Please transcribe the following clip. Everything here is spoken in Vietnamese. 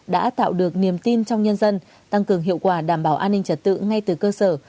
đã tạo được niềm tin trong nhân dân tăng cường hiệu quả đảm bảo an ninh trật tự ngay từ cơ sở